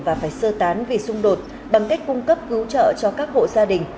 và phải sơ tán vì xung đột bằng cách cung cấp cứu trợ cho các hộ gia đình